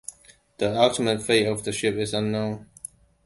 The ultimate fate of the ship is unknown.